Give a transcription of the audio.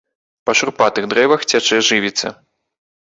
Па шурпатых дрэвах цячэ жывіца.